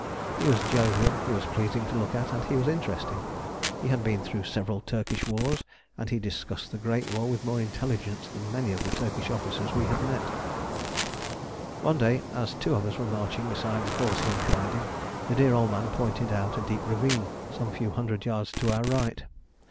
He was jovial, he was pleasing to look at, he was interesting. He had been through several Turkish wars, and he discussed the Great War with more intelligence than many of the Turkish officers we had met. One day as two of us were marching beside the horse he was riding, the dear old man pointed out a deep ravine some few hundred yards to our right.